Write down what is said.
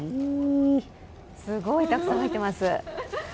すごいたくさん入ってます。